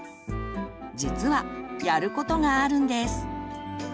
実はやることがあるんです。